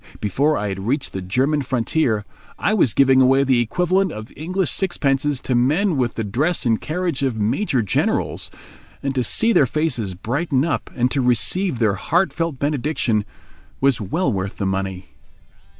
Before I had reached the German frontier, I was giving away the equivalent of English sixpences to men with the dress and carriage of major generals; and to see their faces brighten up and to receive their heartfelt benediction was well worth the money.